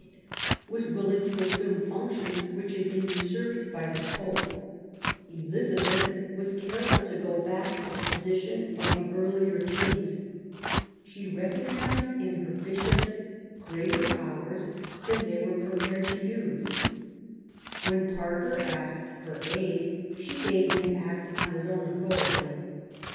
was willing to assume functions which had been usurped by the Pope ; Elizabeth was careful to go back to the position of the earlier Kings. She recognised in her Bishops greater powers than they were prepared to use. When Parker asked her aid she bade him act on his own authority.